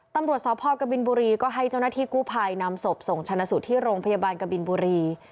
ตำรวจสพกบินบุรีก็ให้เจ้าหน้าที่กู้ภัยนำศพส่งชนะสูตรที่โรงพยาบาลกบินบุรี